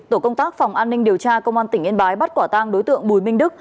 tổ công tác phòng an ninh điều tra công an tỉnh yên bái bắt quả tang đối tượng bùi minh đức